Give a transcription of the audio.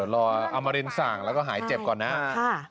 แต่ช้างแล้วหายเจ็บก่อนนะค่ะ